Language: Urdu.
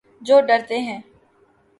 جو ڈرتے ہیں